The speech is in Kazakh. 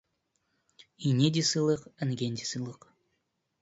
Ине де — сыйлық, інген де — сыйлық.